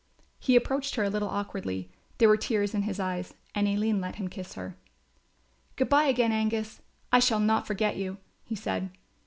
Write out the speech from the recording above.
He approached her a little awkwardly, there were tears in his eyes, and Aline let him kiss her. "Good bye again, Angus, I shall not forget you," he said.